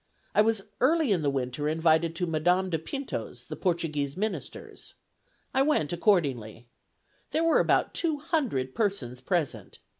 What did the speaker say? I was early in the winter invited to Madame de Pinto's, the Portuguese minister's. I went accordingly. There were about two hundred persons present.